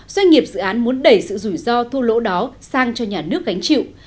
doanh nghiệp dự án muốn đẩy sự rủi ro thu lỗ đó sang cho nhà nước gánh chịu